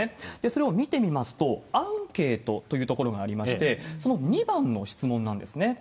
それを見てみますと、アンケートというところがありまして、その２番の質問なんですね。